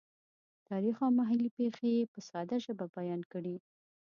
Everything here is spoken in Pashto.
تاریخي او محلي پېښې یې په ساده ژبه بیان کړې.